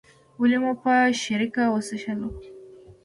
ولې مو په شریکه وڅښلو.